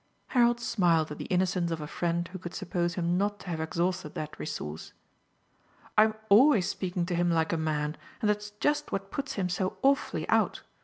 Harold smiled at the innocence of a friend who could suppose him not to have exhausted that resource. "I'm ALWAYS speaking to him like a man, and that's just what puts him so awfully out.